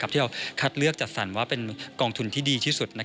ที่เราคัดเลือกจัดสรรว่าเป็นกองทุนที่ดีที่สุด